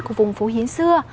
của vùng phố hiến xưa